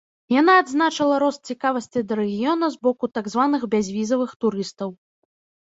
Яна адзначыла рост цікавасці да рэгіёна з боку так званых бязвізавых турыстаў.